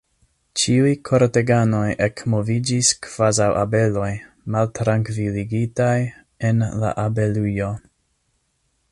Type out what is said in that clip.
Ĉiuj korteganoj ekmoviĝis, kvazaŭ abeloj, maltrankviligitaj en la abelujo.